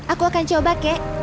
aku akan coba kek